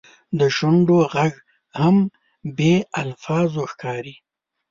د شونډو ږغ هم بې الفاظو ښکاري.